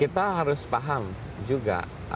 kita harus paham juga